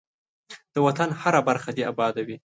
ده وطن هره برخه دی اباده وی.